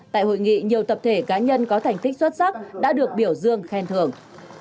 tại hội nghị nhiều tập thể cá nhân có thành tích xuất sắc đã được biểu dương khen thưởng